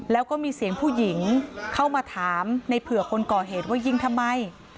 แล้วก็มีเสียงผู้หญิงเข้ามาถามในเผื่อคนก่อเหตุว่ายิงทำไม